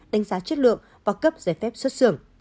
đánh giá chất lượng và cấp giấy phép xuất xưởng